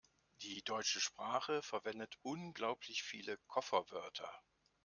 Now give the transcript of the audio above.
Die deutsche Sprache verwendet unglaublich viele Kofferwörter.